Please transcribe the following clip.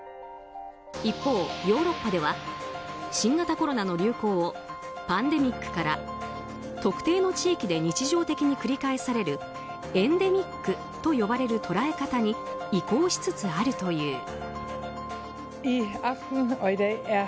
一方、ヨーロッパでは新型コロナの流行をパンデミックから、特定の地域で日常的に繰り返されるエンデミックと呼ばれる捉え方に移行しつつあるという。